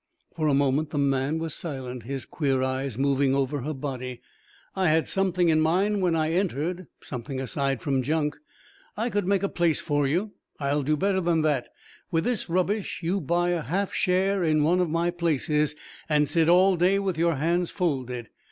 For a moment the man was silent, his queer eyes moving over her body. "I had something in mind when I entered something aside from junk. I could make a place for you. I'll do better than that. With this rubbish you buy a half share in one of my places and sit all day with your hands folded.